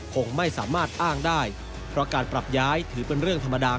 คงไม่สามารถอ้างได้เพราะการปรับย้ายถือเป็นเรื่องธรรมดา